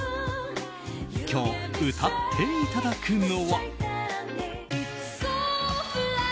今日、歌っていただくのは。